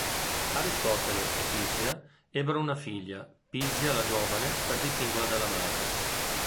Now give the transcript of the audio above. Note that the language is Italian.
Aristotele e Pizia ebbero una figlia, Pizia la Giovane per distinguerla dalla madre.